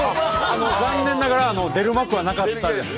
残念ながら出る幕はなかったですね。